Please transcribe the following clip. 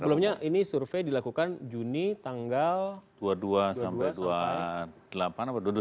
sebelumnya ini survei dilakukan juni tanggal dua puluh dua sampai dua puluh delapan atau dua puluh sembilan